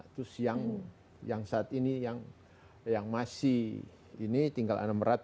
terus yang saat ini yang masih ini tinggal enam ratus tiga puluh tiga